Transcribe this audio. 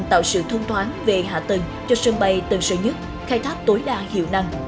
thông toán về hạ tầng cho sân bay tầng sở nhất khai tháp tối đa hiệu năng